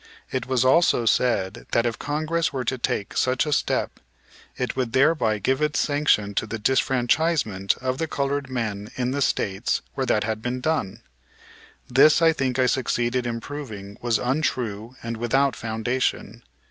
It was also said that if Congress were to take such a step it would thereby give its sanction to the disfranchisement of the colored men in the States where that had been done. This I think I succeeded in proving was untrue and without foundation.